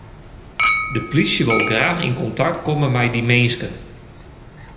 De plysje wol graach yn kontakt komme mei dy minsken.